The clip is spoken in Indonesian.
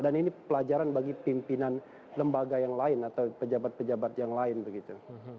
dan ini pelajaran bagi pimpinan lembaga yang lain atau pejabat pejabat yang lain begitu